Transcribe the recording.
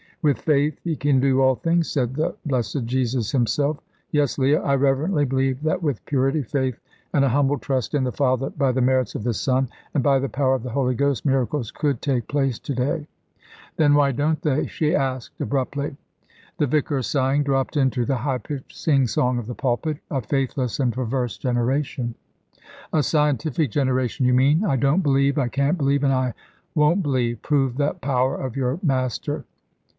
'With faith ye can do all things,' said the blessed Jesus Himself. Yes, Leah, I reverently believe that with purity, faith, and a humble trust in the Father by the merits of the Son, and by the power of the Holy Ghost, miracles could take place to day." "Then why don't they?" she asked abruptly. The vicar, sighing, dropped into the high pitched sing song of the pulpit. "A faithless and perverse generation " "A scientific generation, you mean. I don't believe I can't believe and I won't believe. Prove the power of your Master.